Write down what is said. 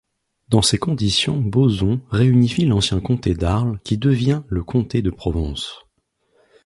Dans ces conditions Boson réunifie l'ancien comté d'Arles qui devient le comté de Provence.